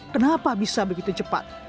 kenapa bisa begitu cepat